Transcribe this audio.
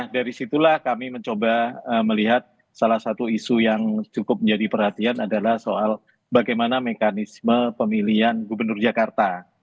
dari situlah kami mencoba melihat salah satu isu yang cukup menjadi perhatian adalah soal bagaimana mekanisme pemilihan gubernur jakarta